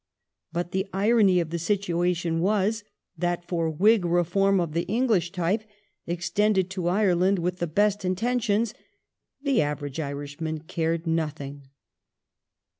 But the irony of the situation was that for Whig reform of the English type — extended to Ireland with the best intentions — the average Irishman cared nothing.